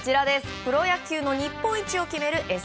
プロ野球の日本一を決める